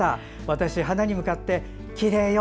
私、花に向かってきれいよ！